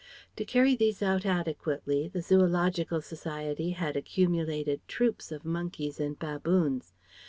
To carry these out adequately the Zoological Society had accumulated troops of monkeys and baboons.